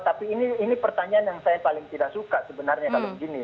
tapi ini pertanyaan yang saya paling tidak suka sebenarnya kalau begini